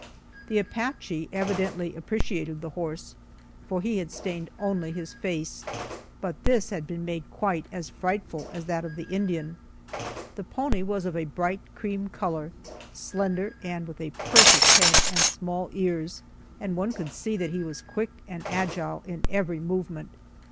The Apache evidently appreciated the horse, for he had stained only his face, but this had been made quite as frightful as that of the Indian. The pony was of a bright cream color, slender, and with a perfect head and small ears, and one could see that he was quick and agile in every movement.